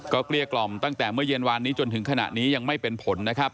เกลี้ยกล่อมตั้งแต่เมื่อเย็นวานนี้จนถึงขณะนี้ยังไม่เป็นผลนะครับ